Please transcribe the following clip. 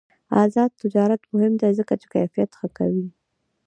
آزاد تجارت مهم دی ځکه چې کیفیت ښه کوي.